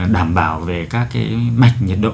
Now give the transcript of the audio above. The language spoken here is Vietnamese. đảm bảo về các cái mạch nhiệt độ